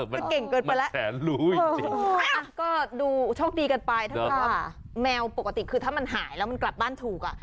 มันเก่งเกินไปแล้วแสนรู้ก็ดูโชคดีกันไปถ้าเกิดว่าแมวปกติคือถ้ามันหายแล้วมันกลับบ้านถูกอ่ะ